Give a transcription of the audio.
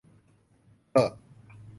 เฮอะ